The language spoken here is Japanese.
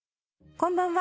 こんばんは。